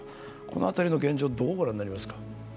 この辺りの現状、どうご覧になりますか？